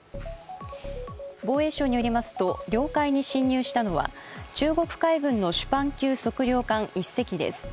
防衛省によりますと、領海に侵入したのは中国海軍のシュパン級測量艦１隻です。